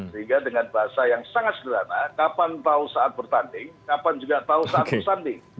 sehingga dengan bahasa yang sangat sederhana kapan tahu saat bertanding kapan juga tahu saat bersanding